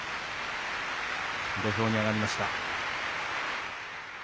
土俵に上がりました。